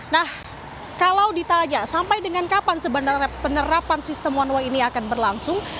nah kalau ditanya sampai dengan kapan sebenarnya penerapan sistem one way ini akan berlangsung